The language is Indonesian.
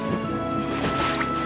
sini sini biar tidurnya enak